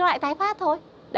nó lại tái phát thôi